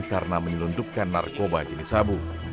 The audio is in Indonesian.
karena menyelundupkan narkoba jenis sabu